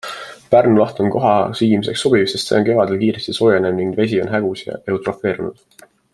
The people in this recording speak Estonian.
Pärnu laht on koha sigimiseks sobiv, sest see on kevadel kiiresti soojenev ning vesi on hägus ja eutrofeerunud.